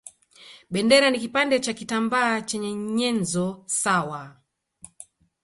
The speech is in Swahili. Bendera ni kipande cha kitambaa chenye nyenzo sawa